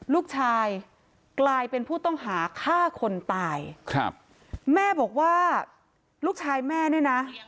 ลูกชายกลายเป็นผู้ต้องหาฆ่าคนตายครับแม่บอกว่าลูกชายแม่เนี่ยนะ